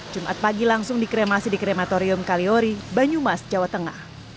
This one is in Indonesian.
jumat pagi langsung dikremasi di krematorium kaliori banyumas jawa tengah